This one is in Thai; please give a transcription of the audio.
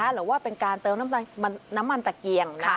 หรือว่าเป็นการเติมน้ำมันตะเกียง